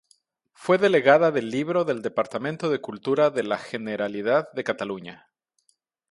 Fue Delegada del Libro del Departamento de Cultura de la Generalidad de Cataluña.